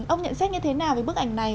ông nhận xét như thế nào về bức ảnh này